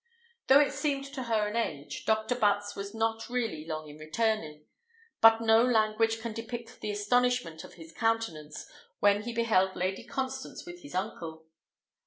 Though it seemed to her an age, Dr. Butts was not really long in returning; but no language can depict the astonishment of his countenance when he beheld Lady Constance with his uncle.